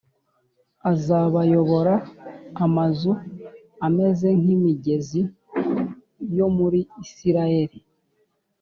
Azabayobora amazu ameze nk’imigezi yo muri Isilaheli